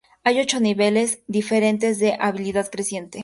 Hay ocho niveles diferentes de habilidad creciente.